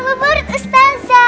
tapi ngeburunya kerewannya